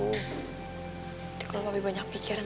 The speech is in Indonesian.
nanti kalau papi banyak pikiran